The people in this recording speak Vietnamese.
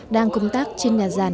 đang công tác trên nhà giàn